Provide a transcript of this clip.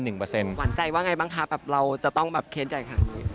หวั่นใจว่าไงบ้างคะแบบเราจะต้องเค้นใจข้างนี้